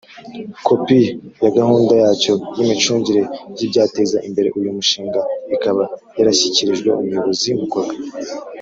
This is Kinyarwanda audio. kopi ya gahunda yacyo y imicungire y ibyateza imbere uyu mushinga, ikaba yarashyikirijwe umuyobozi mukuru.